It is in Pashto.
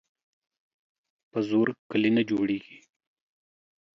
په زور کلي نه جوړیږي.